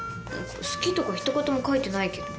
「好き」とかひと言も書いてないけど。